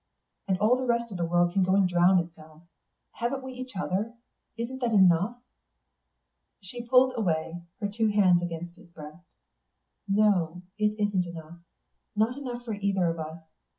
And all the rest of the world can go and drown itself. Haven't we each other, and isn't it enough?" She pulled away, her two hands against his breast. "No, it isn't enough. Not enough for either of us.